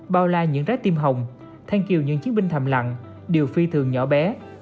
bao la những rái tim hồng thanh kiều những chiến binh thầm lặng điều phi thường nhỏ bé